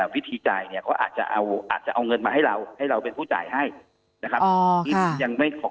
วิธีจ่ายเนี่ยก็อาจจะเอาเงินมาให้เราให้เราเป็นผู้จ่ายให้นะครับ